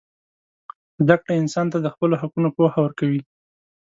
زدهکړه انسان ته د خپلو حقونو پوهه ورکوي.